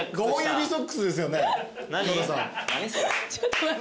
ちょっと待って。